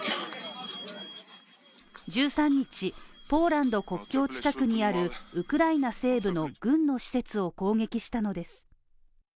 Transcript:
１３日、ポーランド国境近くにあるウクライナ西部の軍の施設を攻撃したのです。